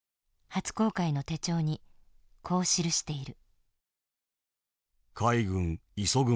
初公開の手帳にこう記している。